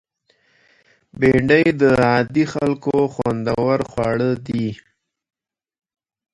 بېنډۍ د عادي خلکو خوندور خواړه دي